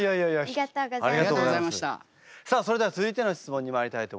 ありがとうございます。